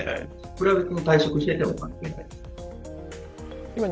これは別に退職していても関係ないです。